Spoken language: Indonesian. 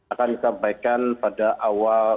akan disampaikan pada awal